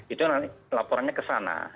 itu laporannya ke sana